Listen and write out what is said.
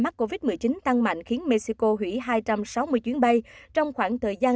tăng mạnh khiến mexico hủy hai trăm sáu mươi chuyến bay trong khoảng thời gian